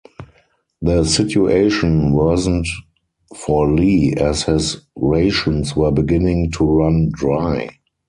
The situation worsened for Li as his rations were beginning to run dry.